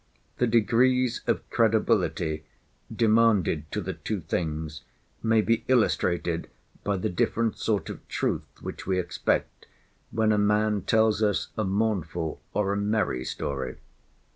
The degrees of credibility demanded to the two things may be illustrated by the different sort of truth which we expect when a man tells us a mournful or a merry story.